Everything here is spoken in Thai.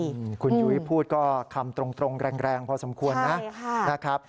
เห็นคุณยุ้ยพูดก็คำตรงแรงพอสมควรนะ